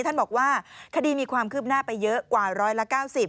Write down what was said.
ท่านบอกว่าคดีมีความคืบหน้าไปเยอะกว่าร้อยละ๙๐